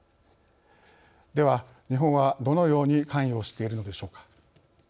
では、日本はどのように関与しているのでしょうか。